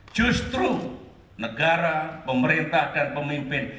justru negara pemerintah dan pemimpin